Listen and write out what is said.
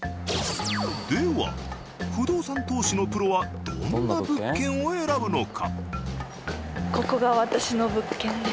では不動産投資のプロはどんな物件を選ぶのか？